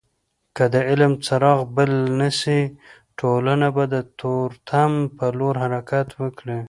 که د علم څراغ بل نسي ټولنه به د تورتم په لور حرکت وکړي.